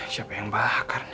siapa yang bakar nih